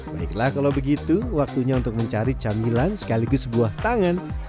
baiklah kalau begitu waktunya untuk mencari camilan sekaligus buah tangan